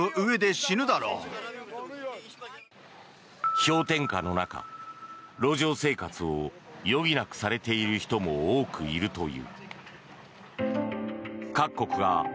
氷点下の中路上生活を余儀なくされている人も多くいるという。